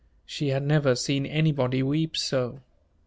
She had never seen anybody weep so.